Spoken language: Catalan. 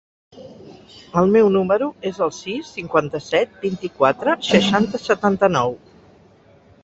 El meu número es el sis, cinquanta-set, vint-i-quatre, seixanta, setanta-nou.